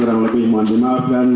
kurang lebih mohon maafkan